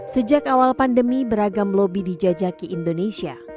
sejak awal pandemi beragam lobby dijajaki indonesia